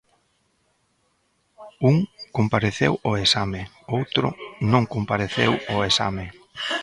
Un compareceu ao exame, outro non compareceu ao exame.